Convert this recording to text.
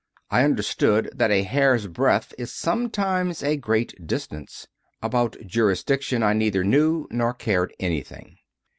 I understood that a hair s breadth is sometimes a great distance. About Jurisdiction I neither knew nor cared anything.